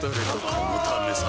このためさ